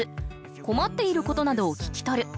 困っていることなどを聞き取る。